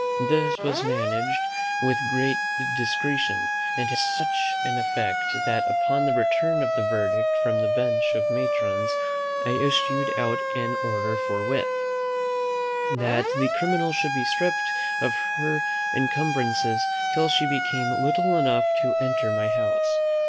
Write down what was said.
This was managed with great discretion, and had such an effect, that upon the return of the verdict from the bench of matrons, I issued out an order forthwith, "that the criminal should be stripped of her encumbrances till she became little enough to enter my house."